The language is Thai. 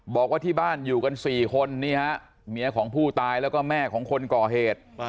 บอกว่าที่บ้านอยู่กัน๔คนนี่ฮะเมียของผู้ตายแล้วก็แม่ของคนก่อเหตุ